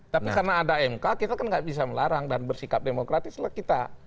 tapi karena ada mk kita kan nggak bisa melarang dan bersikap demokratis lah kita